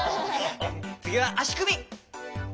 つぎはあしくび！